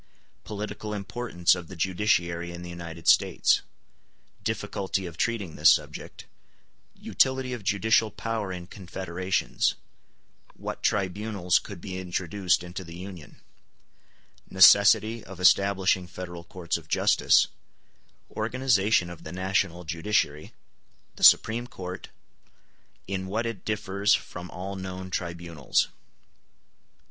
] Political importance of the judiciary in the United States—Difficulty of treating this subject—Utility of judicial power in confederations—What tribunals could be introduced into the Union—Necessity of establishing federal courts of justice—Organization of the national judiciary—The Supreme Court—In what it differs from all known tribunals.